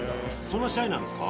そんなシャイなんですか？